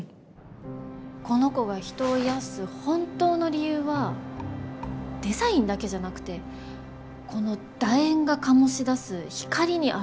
この子が人を癒やす本当の理由はデザインだけじゃなくてこの楕円が醸し出す光にあると思うんですよね。